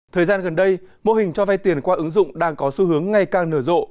thời gian gần đây mô hình cho vay tiền qua ứng dụng đang có xu hướng ngày càng nở rộ